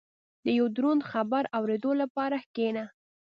• د یو دروند خبر اورېدو لپاره کښېنه.